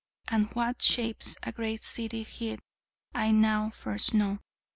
and what shapes a great city hid I now first know.